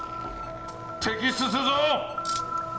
摘出するぞ！